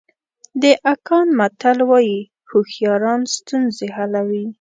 د اکان متل وایي هوښیاران ستونزې حلوي.